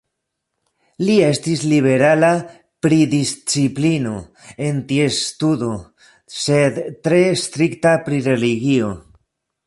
Li estis liberala pri disciplino en ties studo, sed tre strikta pri religio.